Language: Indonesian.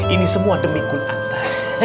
ini semua demi kul anta